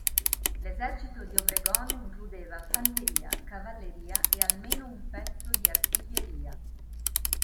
L'esercito di Obregón includeva fanteria, cavalleria e almeno un pezzo di artiglieria.